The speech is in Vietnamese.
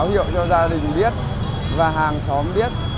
họ cho gia đình biết và hàng xóm biết